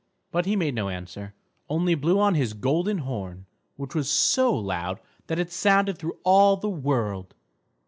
But he made no answer, only blew on his golden horn, which was so loud that it sounded through all the world.